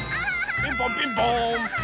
ピンポンピンポーン。